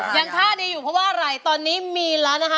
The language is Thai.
ท่าดีอยู่เพราะว่าอะไรตอนนี้มีแล้วนะคะ